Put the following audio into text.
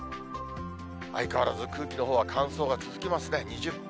相変わらず空気のほうは乾燥が続きますね。